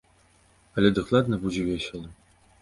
Але дакладна будзе весела.